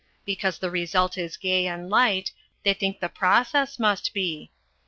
Because the result is gay and light, they think the process must be.